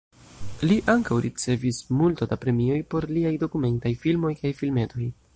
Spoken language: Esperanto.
Li ankaŭ ricevis multo da premioj por liaj dokumentaj filmoj kaj filmetoj.